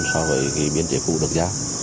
so với biên chế cũ được giao